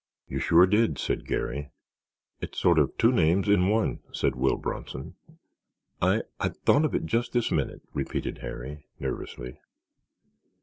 "You sure did," said Garry. "It's sort of two names in one," said Will Bronson. "I—I thought of it just this minute," repeated Harry, nervously.